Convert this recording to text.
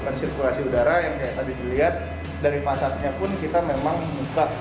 jadi untuk sirkulasi udara yang kayak tadi dilihat dari pasapnya pun kita memang buka